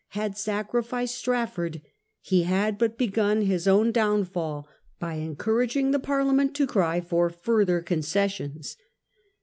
had sacrificed Strafford, he had but begun his own downhill by encou ragingthe Parliament to cry for further concessions.